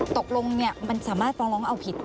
ตกลงเนี่ยมันสามารถฟังลองว่าเอาผิด